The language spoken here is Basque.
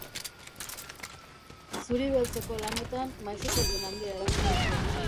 Zuri beltzeko lanetan maisutasun handia erakutsi zuen.